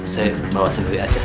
saya bawa sendiri aja